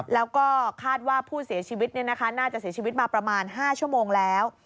แล้วก็คาดว่าผู้เสียชีวิตน่าจะเสียชีวิตมาประมาณ๕ชั่วโมงแล้ว